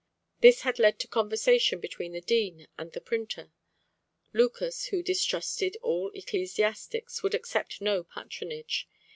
This had led to conversation between the Dean and the printer; Lucas, who distrusted all ecclesiastics, would accept no patronage.